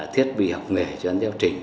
thiết bị học nghề cho giáo trình